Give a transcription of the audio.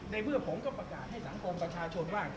ในเมื่อผมก็ประกาศให้สังคมประชาชนว่า